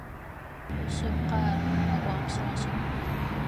Шъыпкъэ ар,— ыӏуагъ пшъашъэм.